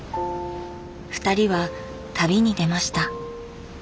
ふたりは旅に出ました。